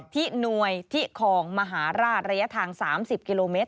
ที่หน่วยที่คลองมหาราชระยะทาง๓๐กิโลเมตร